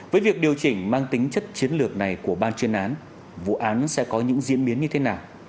với việc điều chỉnh mang tính chất chiến lược này của ban chuyên án vụ án sẽ có những diễn biến như thế nào